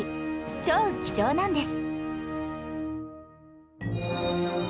超貴重なんです